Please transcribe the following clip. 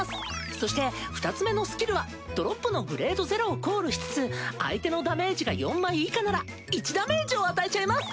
そして２つめのスキルはドロップのグレード０をコールしつつ相手のダメージが４枚以下なら１ダメージを与えちゃいます！